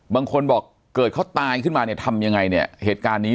บางคนบอกเกิดเขาตายขึ้นมาเนี่ยทำยังไงเนี่ยเหตุการณ์นี้